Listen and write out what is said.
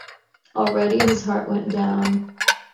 Already his heart went down.